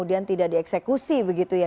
jika tidak ada kuliman ada ralanan